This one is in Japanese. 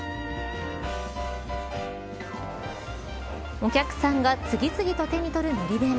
お客さんが次々と手に取る海苔弁。